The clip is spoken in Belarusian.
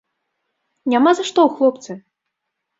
Няма за што, хлопцы!